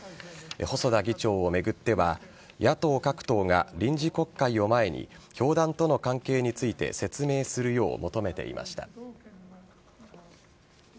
細田議長を巡っては野党各党が臨時国会を前に教団との関係について説明するよう求めていました。